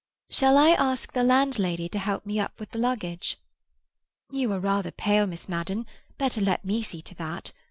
"Shall I ask the landlady to help me up with the luggage?" "You are rather pale, Miss Madden. Better let me see to that.